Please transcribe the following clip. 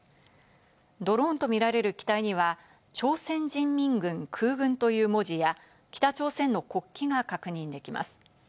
ドローンとみられる機体には朝鮮人民軍空軍という文字や北朝鮮の国旗が確認できます。